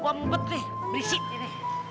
gue mumpet nih berisik gini